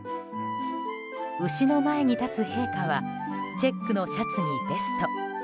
牛の前に立つ陛下はチェックのシャツにベスト。